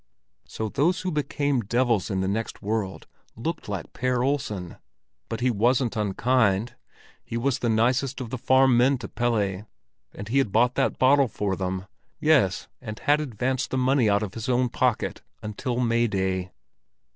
So those who became devils in the next world looked like Per Olsen? But he wasn't unkind! He was the nicest of the farm men to Pelle, and he had bought that bottle for them—yes, and had advanced the money out of his own pocket until May day!